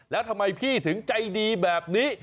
แล้วทำไมพี่ถึงใจดีแบบนี้